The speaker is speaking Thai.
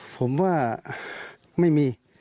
ผมว่าไม่มี